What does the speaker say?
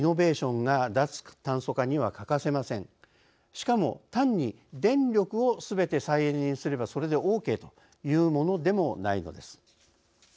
しかも単に電力をすべて再エネにすればそれでオーケーというものでもないのです。